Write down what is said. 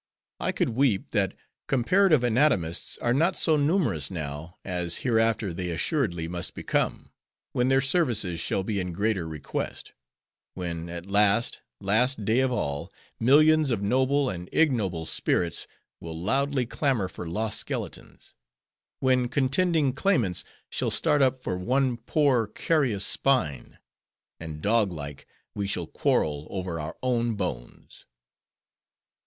I could weep that Comparative Anatomists are not so numerous now, as hereafter they assuredly must become; when their services shall be in greater request; when, at the last, last day of all, millions of noble and ignoble spirits will loudly clamor for lost skeletons; when contending claimants shall start up for one poor, carious spine; and, dog like, we shall quarrel over our own bones."